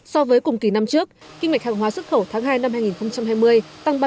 so với cùng kỳ năm trước kinh mệch hàng hóa xuất khẩu tháng hai năm hai nghìn hai mươi tăng ba